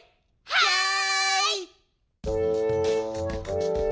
はい！